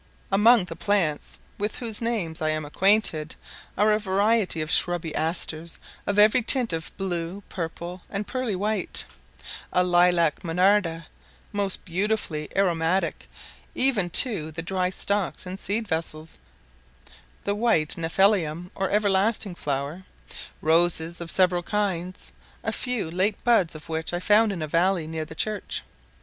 Among the plants with whose names I am acquainted are a variety of shrubby asters, of every tint of blue, purple, and pearly white; a lilac monarda, most delightfully aromatic, even to the dry stalks and seed vessels; the white gnaphalium or everlasting flower; roses of several kinds, a few late buds of which I found in a valley, near the church.